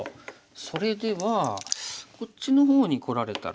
それではこっちの方にこられたら？